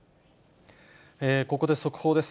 ここで速報です。